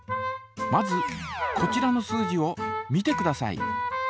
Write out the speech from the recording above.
まずこちらの数字を見てください。